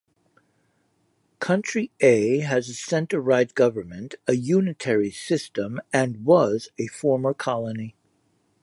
Country A has a centre-right government, a unitary system and was a former colony.